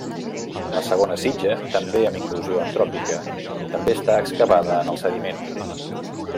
La segona sitja, també amb inclusió antròpica, també està excavada en el sediment.